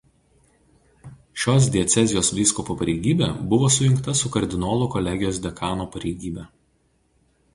Šios diecezijos vyskupo pareigybė buvo sujungta su Kardinolų kolegijos dekano pareigybe.